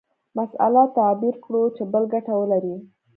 مسأله تعبیر کړو چې بل ګټه ولري.